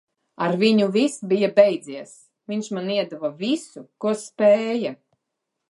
Ar viņu viss bija beidzies. Viņš man iedeva visu, ko spēja.